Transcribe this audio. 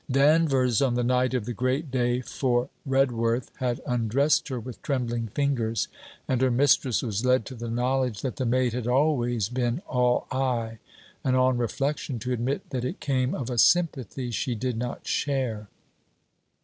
Danvers, on the night of the great day for Redworth, had undressed her with trembling fingers, and her mistress was led to the knowledge that the maid had always been all eye; and on reflection to admit that it came of a sympathy she did not share.